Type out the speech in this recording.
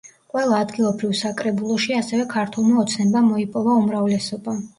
ყველა ადგილობრივ საკრებულოში ასევე, „ქართულმა ოცნებამ“ მოიპოვა უმრავლესობა.